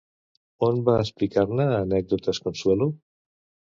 On va explicar-ne anècdotes Consuelo?